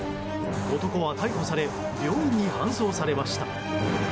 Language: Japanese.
男は逮捕され病院に搬送されました。